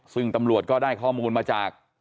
ซึ่งตำรวจก็ได้ข้อมูลมาจาก